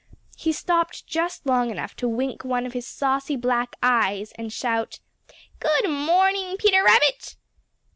He stopped just long enough to wink one of his saucy black eyes and shout: "Good morning, Peter Rabbit!"